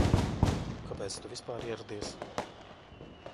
Kāpēc tu vispār ieradies?